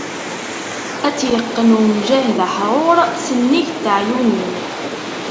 Ad tt-iqqen umjahed aḥrur, s nnig n teɛyunin.